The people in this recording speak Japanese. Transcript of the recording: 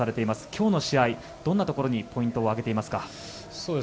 今日の試合、どんなところにポイントを挙げていますか？